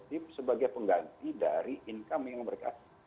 dari pengganti dari income yang mereka